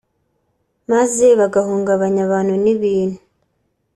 maze bagahungabanya abantu n’ibintu